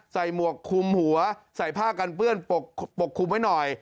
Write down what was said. หมวกคุมหัวใส่ผ้ากันเปื้อนปกคลุมไว้หน่อย